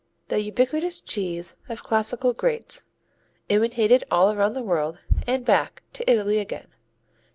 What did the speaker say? The ubiquitous cheese of classical greats, imitated all around the world and back to Italy again.